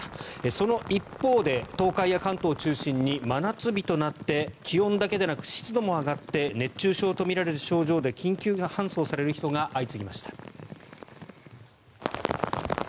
その一方で東海や関東を中心に真夏日となって気温だけでなく湿度も上がって熱中症とみられる症状で緊急搬送される人が相次ぎました。